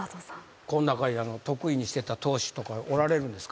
この中に得意にしてた投手とかおられるんですか？